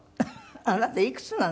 あなたいくつなの？